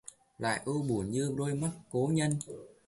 Lại ưu buồn như đôi mắt cố nhân